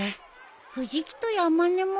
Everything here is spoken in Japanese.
藤木と山根も？